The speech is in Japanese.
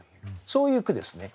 そういう句ですね。